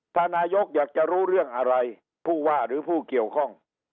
ถ้านายกอยากจะรู้เรื่องอะไรผู้ว่าหรือผู้เกี่ยวข้อง